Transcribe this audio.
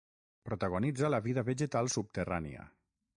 Protagonitza la vida vegetal subterrània.